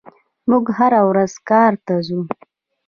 موږ هره ورځ کار ته ځو.